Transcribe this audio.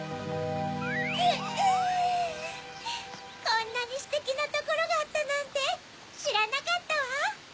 こんなにステキなところがあったなんてしらなかったわ！